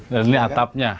dan ini atapnya